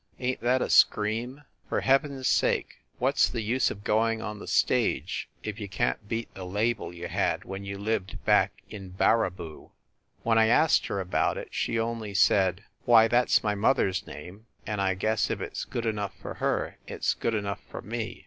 Ain t that a scream? For Heaven s sake, what s the use of going on the stage if you can t beat the label you had when you lived back in Baraboo ? When I asked her about it she only said : "Why, that s my mother s name; and I guess if it s good enough for her it s good enough for me."